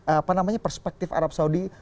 apa namanya perspektif arab saudi